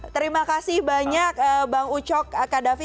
terima kasih banyak bang ucok kadafi